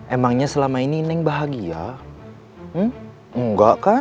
emangnya selama ini neng bahagia enggak kan